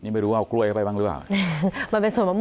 เป็นสวนมะม่วงครับ